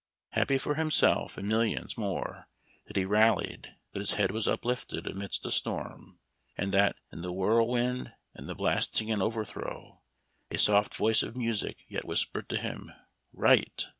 Happy for himself and millions more that he rallied, that his head was uplifted amid the storm, and that, in the whirlwind and the blast ing and overthrow, a soft voice of music yet whispered to him, Write !